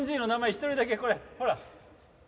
一人だけこれほら。